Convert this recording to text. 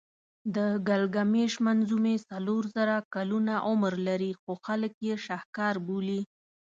د ګیلګمېش منظومې څلور زره کلونه عمر لري خو خلک یې شهکار بولي.